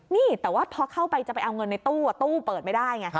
นี่แต่ว่าพอเข้าไปจะไปเอาเงินในตู้ตู้เปิดไม่ได้ไง